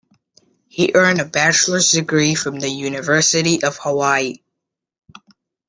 He earned a bachelor's degree from the University of Hawaii.